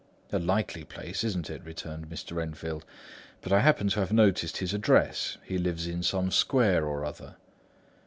"A likely place, isn't it?" returned Mr. Enfield. "But I happen to have noticed his address; he lives in some square or other."